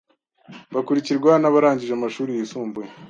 bakurikirwa n’abarangije amashuri yisumbuye